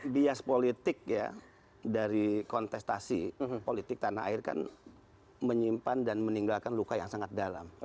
bias politik ya dari kontestasi politik tanah air kan menyimpan dan meninggalkan luka yang sangat dalam